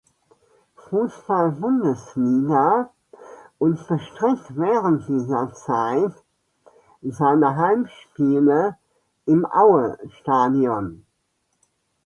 Fußball-Bundesliga und bestritt während dieser Zeit seine Heimspiele im Auestadion.